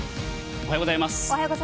おはようございます。